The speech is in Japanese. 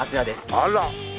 あら。